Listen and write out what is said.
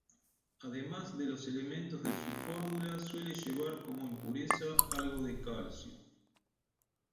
Además de los elementos de su fórmula, suele llevar como impureza algo de calcio.